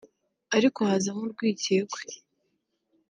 ariko hazamo urwikekwe